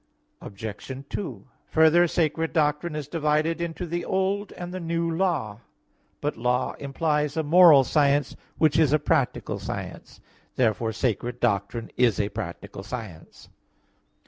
Obj. 2: Further, sacred doctrine is divided into the Old and the New Law. But law implies a moral science which is a practical science. Therefore sacred doctrine is a practical science.